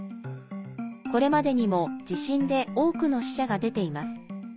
これまでにも地震で多くの死者が出ています。